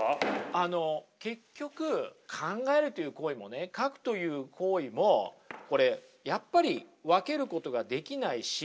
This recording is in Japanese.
あの結局考えるという行為もね描くという行為もこれやっぱり分けることができないし。